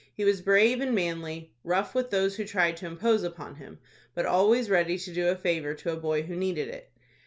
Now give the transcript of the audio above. He was brave and manly, rough with those who tried to impose upon him, but always ready to do a favor to a boy who needed it.